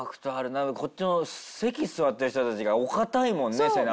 なんかこっちの席に座ってる人たちがお堅いもんね背中。